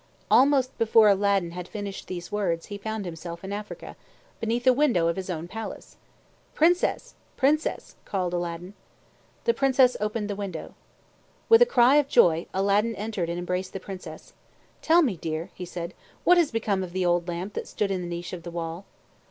Almost before Aladdin had finished these words, he found himself in Africa, beneath a window of his own palace. "Princess! Princess!" called Aladdin. The Princess opened the window. With a cry of joy, Aladdin entered and embraced the Princess. "Tell me, dear," said he, "what has become of the old lamp that stood in the niche of the wall?"